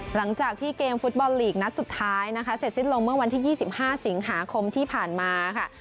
หลังจากที่เกมฟุตบอลลีกนัดสุดท้ายนะคะเสร็จสิ้นลงเมื่อวันที่๒๕สิงหาคมที่ผ่านมาค่ะ